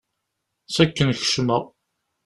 S akken kecmeɣ.